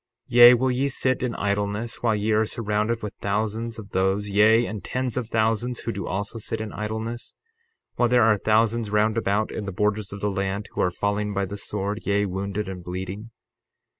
60:22 Yea, will ye sit in idleness while ye are surrounded with thousands of those, yea, and tens of thousands, who do also sit in idleness, while there are thousands round about in the borders of the land who are falling by the sword, yea, wounded and bleeding?